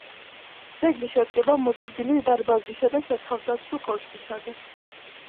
ძეგლი შედგება მოზრდილი დარბაზისა და სათავდაცვო კოშკისაგან.